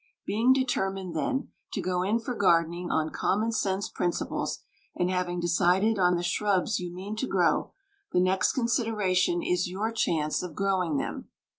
Being determined, then, to go in for gardening on common sense principles, and having decided on the shrubs you mean to grow, the next consideration is your chance of growing them.